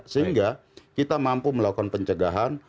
sehingga kita mampu melakukan pencegahan